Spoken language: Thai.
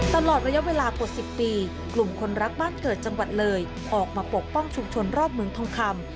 ตลอดระยะเวลากว่า๑๐ปีกลุ่มคนรักบ้านเกิดจังหวัดเลยออกมาปกป้องชุมชนรอบเมืองทองคำ